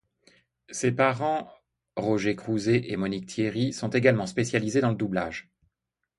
Ses parents, Roger Crouzet et Monique Thierry sont également spécialisés dans le doublage.